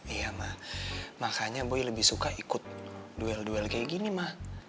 iya mah makanya boy lebih suka ikut duel duel kayak gini mah